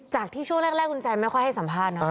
ที่ช่วงแรกคุณแซนไม่ค่อยให้สัมภาษณ์นะ